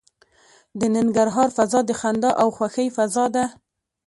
د ننګرهار فضا د خندا او خوښۍ فضا ده.